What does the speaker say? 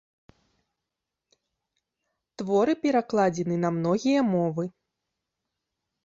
Творы перакладзены на многія мовы.